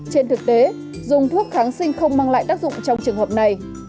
trên thực tế dùng thuốc kháng sinh không mang lại tác dụng trong trường hợp này